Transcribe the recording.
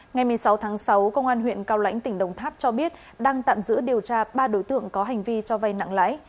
ngày một mươi sáu tháng sáu công an huyện cao lãnh tỉnh đồng tháp cho biết đang tạm giữ điều tra ba đối tượng có hành vi cho vay nặng lãi